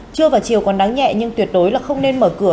chưa vào chiều còn đáng nhẹ nhưng tuyệt đối là không nên mở cửa